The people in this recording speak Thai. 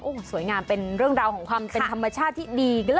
โอ้โหสวยงามเป็นเรื่องราวของความเป็นธรรมชาติที่ดี